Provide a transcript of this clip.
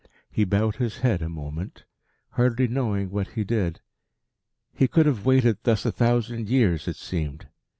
He bowed his head a moment, hardly knowing what he did. He could have waited thus a thousand years it seemed.